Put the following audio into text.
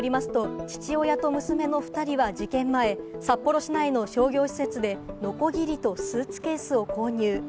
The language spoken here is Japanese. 捜査関係者によりますと、父親と娘の２人は事件前、札幌市内の商業施設でのこぎりとスーツケースを購入。